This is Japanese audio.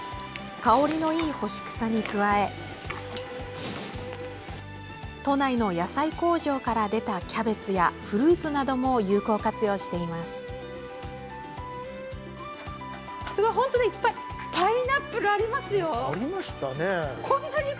香りのいい干し草に加え都内の野菜工場から出たキャベツや、フルーツなども有効活用しています。